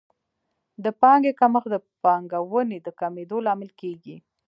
د پانګې کمښت د پانګونې د کمېدو لامل کیږي.